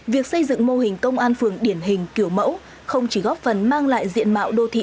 việc xây dựng mô hình công an phường điển hình kiểu mẫu không chỉ góp phần mang lại diện mạo đô thị